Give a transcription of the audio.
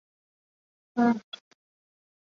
北接番禺区。